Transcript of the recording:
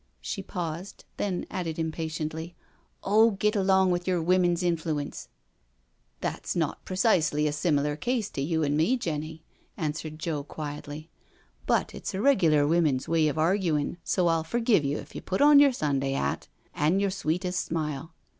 She paused, then added impatiently: "Oh, git along with yer women's influence I" " That's not precisely a similar case to you an' me, Jenny," answered Joe quietly, " but it's a regular woman's way of arguin', so I'll forgive you if you put on yer Sunday hat an' yer sweetest smile.